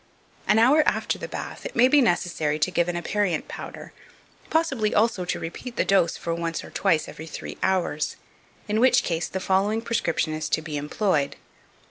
2522. An hour after the bath, it may be necessary to give an aperient powder, possibly also to repeat the dose for once or twice every three hours; in which case the following prescription is to be employed.